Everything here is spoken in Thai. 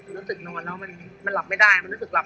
รู้สึกนอนแล้วมันหลับไม่ได้มันรู้สึกหลับ